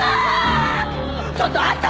ちょっとあんた！